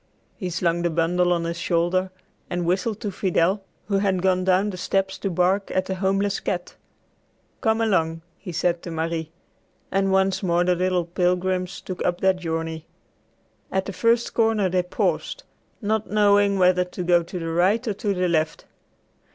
He slung the bundle on his shoulder and whistled to Fidel, who had gone down the steps to bark at a homeless cat. "Come along," he said to Marie. And once more the little pilgrims took up their journey. At the first corner they paused, not knowing whether to go to the right or to the left.